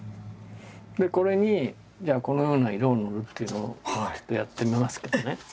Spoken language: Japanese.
これにじゃあこのような色を塗るっていうのをちょっとやってみますけどね。